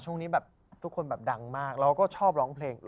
ช่วงนี้แบบทุกคนแบบดังมากเราก็ชอบร้องเพลง